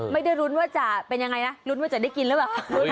ไม่ได้รุ้นว่าจะเป็นยังไงนะรุ้นว่าจะได้กินหรือเปล่า